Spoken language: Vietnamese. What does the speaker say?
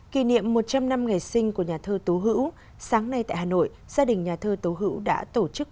kỷ niệm một trăm linh năm ngày sinh của nhà thơ tố hữu sáng nay tại hà nội gia đình nhà thơ tố hữu đã tổ chức